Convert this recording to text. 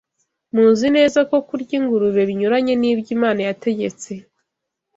Muzi neza ko kurya ingurube binyuranye n’ibyo Imana yategetse